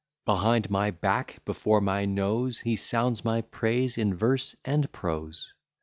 Behind my back, before my nose, He sounds my praise in verse and prose.